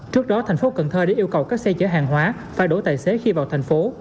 trước đó thành phố cần thơ đã yêu cầu các xe chở hàng hóa phải đổ tài xế khi vào thành phố